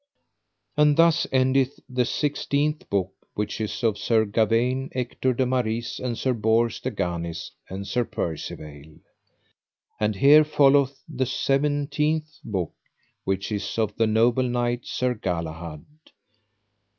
_And thus endeth the sixteenth book, which is of Sir Gawaine, Ector de Maris, and Sir Bors de Ganis, and Sir Percivale. And here followeth the seven teenth book, which is of the noble knight Sir Galahad.